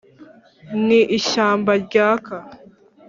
ni ishyamba ryaka